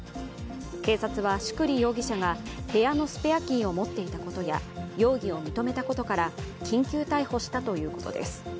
警察は宿利容疑者が部屋のスペアキーを持っていたことや容疑を認めたことから緊急逮捕したということです。